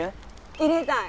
入れたい